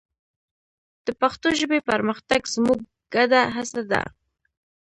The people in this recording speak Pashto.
د پښتو ژبې پرمختګ زموږ ګډه هڅه ده.